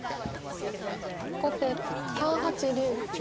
後手３八竜。